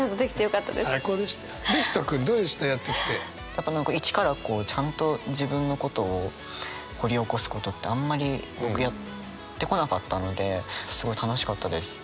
やっぱ何か一からちゃんと自分のことを掘り起こすことってあんまり僕やってこなかったのですごい楽しかったです。